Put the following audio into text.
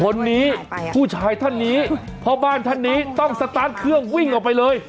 คนนี้ผู้ชายท่านนี้พ่อบ้านท่านนี้ต้องสตาร์ทเครื่องวิ่งออกไปเลย